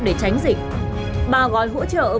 để tránh dịch bà gọi hỗ trợ